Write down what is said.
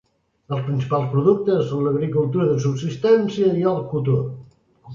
Els principals productes són l'agricultura de subsistència i el cotó.